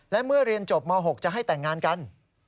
และเมื่อเรียนจบม๖จะให้แต่งงานกัน